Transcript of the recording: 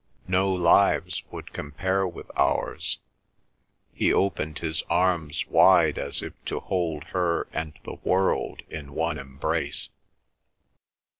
No lives would compare with ours." He opened his arms wide as if to hold her and the world in one embrace.